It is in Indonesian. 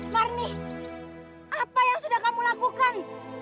marni apa yang sudah kamu lakukan